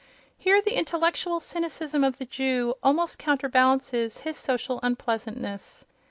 Here the intellectual cynicism of the Jew almost counterbalances his social unpleasantness.